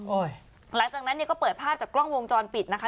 หลังจากนั้นเนี่ยก็เปิดภาพจากกล้องวงจรปิดนะคะ